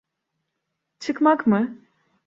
Çıkmak mı?